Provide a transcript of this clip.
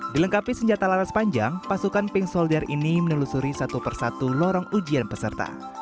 dilengkapi senjata laras panjang pasukan pink soldier ini menelusuri satu persatu lorong ujian peserta